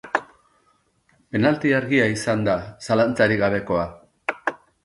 Penalti argia izan da, zalantzarik gabekoa.